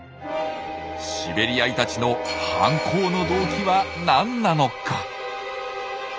シベリアイタチの犯行の動機は何なのか？